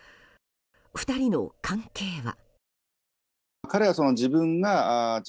２人の関係は。